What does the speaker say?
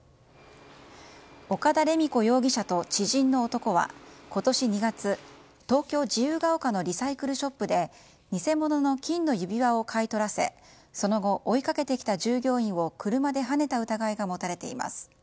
岡田礼美子容疑者と知人の男は今年２月、東京・自由が丘のリサイクルショップで偽物の金の指輪を買い取らせその後、追いかけてきた従業員を車ではねた疑いが持たれています。